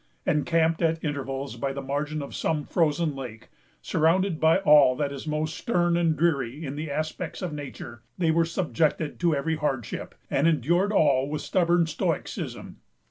Encamped at intervals by the margin of some frozen lake, surrounded by all that is most stern and dreary in the aspects of nature, they were subjected to every hardship, and endured all with stubborn stoicism.